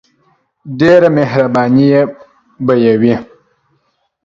ډیره مهربانی به یی وی.